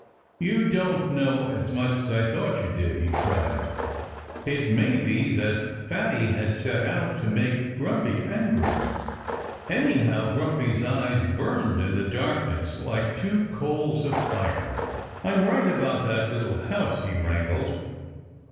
"You don't know as much as I thought you did!" he cried. It may be that Fatty had set out to make Grumpy angry. Anyhow, Grumpy's eyes burned in the darkness like two coals of fire. "I'm right about that little house," he wrangled.